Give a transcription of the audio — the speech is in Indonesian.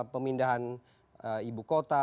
pemindahan ibu kota